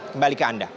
kembali ke anda